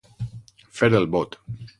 Fer el bot.